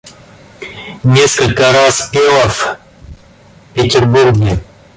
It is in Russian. Несколько раз пела в Петербурге.